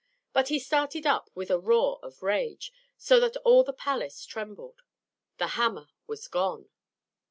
But he started up with a roar of rage, so that all the palace trembled. The hammer was gone!